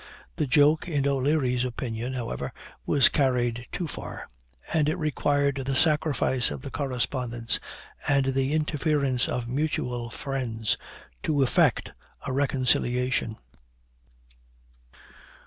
The joke, in O'Leary's opinion, however, was carried too far, and it required the sacrifice of the correspondence and the interference of mutual friends; to effect a reconciliation.